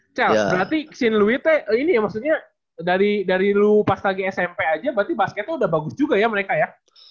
berarti shin louisnya ini ya maksudnya dari lu pas lagi smp aja berarti basketnya udah bagus juga ya mereka ya